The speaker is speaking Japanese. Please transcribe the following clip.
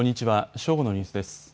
正午のニュースです。